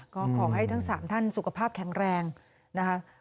ก็ขอให้ทั้ง๓ท่านสุขภาพแข็งแรงนะคะ